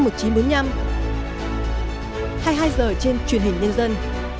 hai mươi hai giờ trên truyền hình nhân dân